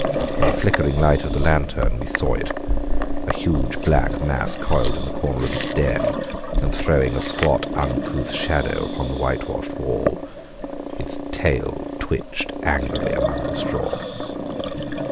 In the flickering light of the lantern, we saw it, a huge black mass coiled in the corner of its den and throwing a squat, uncouth shadow upon the whitewashed wall. Its tail switched angrily among the straw.